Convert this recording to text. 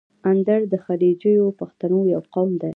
اندړ د غلجیو پښتنو یو قوم ده.